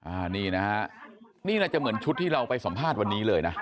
อันนี้นะฮะนี่น่าจะเหมือนชุดที่เราไปสัมภาษณ์วันนี้เลยนะ